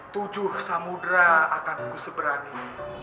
tujuh samudera akan kuseberani